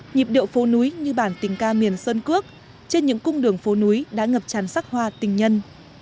nhịp điệu phố núi như bản tình ca miền sơn cước trên những cung đường phố núi đã ngập tràn sắc hoa tình nhân